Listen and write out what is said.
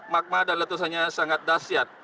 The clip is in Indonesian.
magma dan letusannya sangat dahsyat